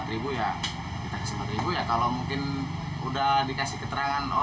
kita kasih rp empat ya kalau mungkin udah dikasih keterangan